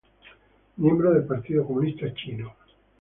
Miembro del Partido Comunista de China.